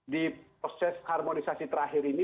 di proses harmonisasi terakhir ini